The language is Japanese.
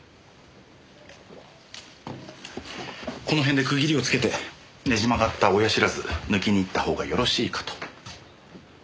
この辺で区切りをつけてねじ曲がった親知らず抜きに行ったほうがよろしいかと。